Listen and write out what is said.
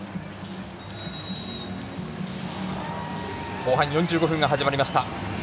後半４５分が始まりました。